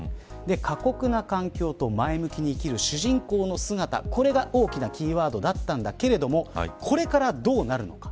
過酷な環境と前向きに生きる主人公の姿、これが大きなキーワードだったんだけれどもこれからどうなるのか。